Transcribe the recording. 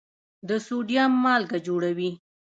د سوډیم مالګه جوړوي.